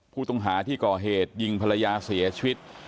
ผู้ต้องหาที่ก่อเหตุยิงภรรยาเสียชีวิต